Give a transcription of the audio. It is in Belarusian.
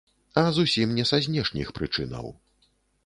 А зусім не са знешніх прычынаў.